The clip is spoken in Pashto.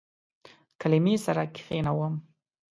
کلمې سره کښینوم